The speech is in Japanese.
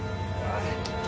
あれ！